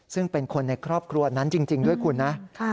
ซึ่งเป็นคนในครอบครัวนั้นจริงด้วยคุณนะ